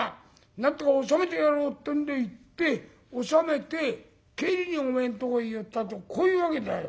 なんとか収めてやろう』ってんで行って収めて帰りにおめえんとこへ寄ったとこういうわけだよ」。